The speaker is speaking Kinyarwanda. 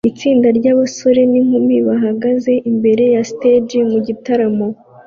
Itsinda ryabasore n'inkumi bahagaze imbere ya stage mugitaramo